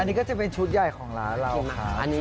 อันนี้ก็จะเป็นชุดใหญ่ของร้านเราค่ะ